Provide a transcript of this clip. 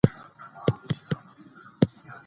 په کور کې یې بډایه کتابتون موجود و.